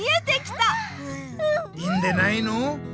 いいんでないの！